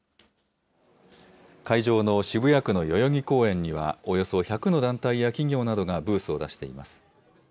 会場の渋谷区の代々木公園には、およそ１００の団体や企業などがブースを出しています。